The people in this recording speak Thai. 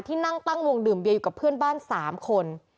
นั่งตั้งวงดื่มเบียอยู่กับเพื่อนบ้าน๓คน